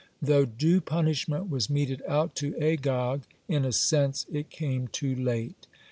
(65) Though due punishment was meted out to Agag, in a sense it came too late.